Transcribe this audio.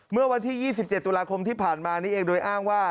เมื่อวันที่๒๗ตุลาคมที่ผ่านมานี้เองโดยอ้างว่า